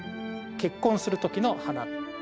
結婚する時の花。